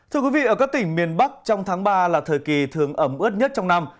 thưa quý vị ở các tỉnh miền bắc trong tháng ba là thời kỳ thường ẩm ướt nhất trong năm